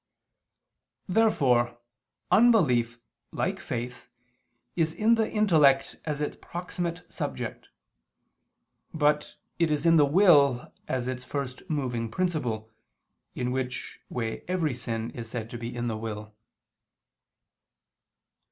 Therefore unbelief, like faith, is in the intellect as its proximate subject. But it is in the will as its first moving principle, in which way every sin is said to be in the will.